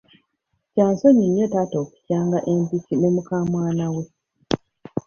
Kyansonyi nnyo taata okukyanga empiki ne mukamwana we.